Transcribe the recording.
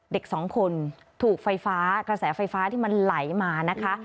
เด็กสองคนถูกไฟฟ้ากระแสไฟฟ้าที่มันไหลมานะคะ